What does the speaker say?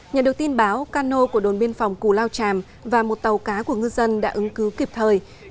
nhận được tin báo cano của đồn biên phòng cù lao tràm và một tàu cá của ngư dân đã ứng cứu kịp thời